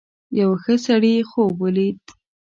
یو ښه سړي خوب ولید.